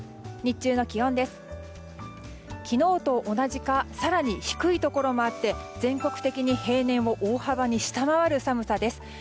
日中の気温は、昨日と同じか更に低いところもあって全国的に平均を大きく下回る寒さです。